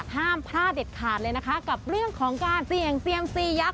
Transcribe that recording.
ห้ามพลาดเด็ดขาดเลยนะคะกับเรื่องของการเสี่ยงเซียมซียักษ